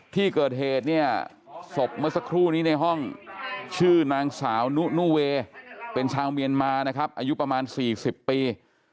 ที่เกิดเหตุเนี่ยศพเมื่อสักครู่นี้ในห้องชื่อนางสาวนุนูเวเป็นชาวเมียนมานะครับอายุประมาณ๔๐ปี